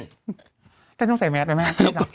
จะต้องใส่แมทไปไหมครับ